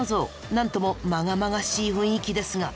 なんともまがまがしい雰囲気ですが。